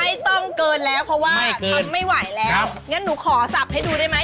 ต้องเกินแล้วเพราะว่าทำไม่ไหวแล้วงั้นหนูขอสับให้ดูได้ไหม